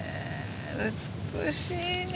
美しいね。